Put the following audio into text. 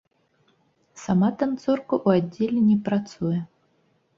Сама танцорка ў аддзеле не працуе.